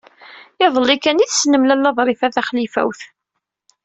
Iḍelli kan ay tessnem Lalla Ḍrifa Taxlifawt.